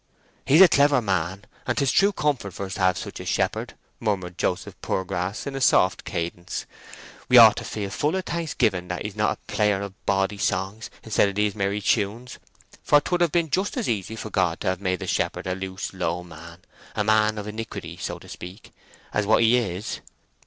"He's a clever man, and 'tis a true comfort for us to have such a shepherd," murmured Joseph Poorgrass, in a soft cadence. "We ought to feel full o' thanksgiving that he's not a player of ba'dy songs instead of these merry tunes; for 'twould have been just as easy for God to have made the shepherd a loose low man—a man of iniquity, so to speak it—as what he is.